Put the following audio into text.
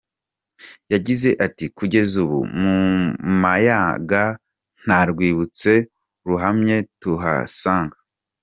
Yagize ati “Kugeza ubu ku Mayaga nta rwibutso ruhamye tuhasanga.